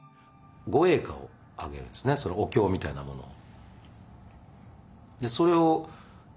お経みたいなものを。